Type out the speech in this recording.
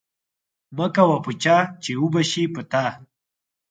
مه کوه په چا، چی وبه شي په تا